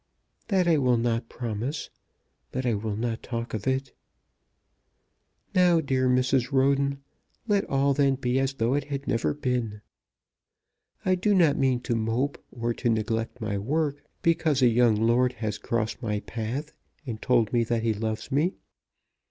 "That I will not promise; but I will not talk of it. Now, dear Mrs. Roden, let all then be as though it had never been. I do not mean to mope, or to neglect my work, because a young lord has crossed my path and told me that he loves me.